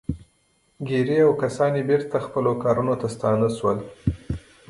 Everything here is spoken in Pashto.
ګيري او کسان يې بېرته خپلو کارونو ته ستانه شول.